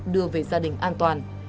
đưa về gia đình an toàn